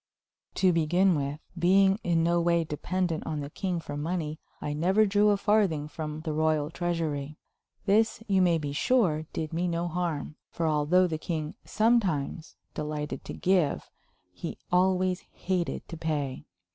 To begin with, being in no way dependent on the king for money, I never drew a farthing from the royal treasury. This, you may be sure, did me no harm, for although the king sometimes delighted to give, he always hated to pay.